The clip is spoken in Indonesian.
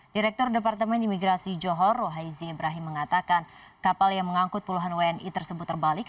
direktur departemen imigrasi johor rohaizi ibrahim mengatakan kapal yang mengangkut puluhan wni tersebut terbalik